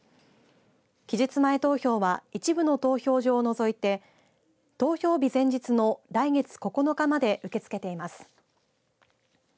期日前投票は一部の投票所を除いて投票日前日の来月９日まで受け付けています。